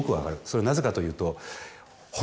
それはなぜかというと。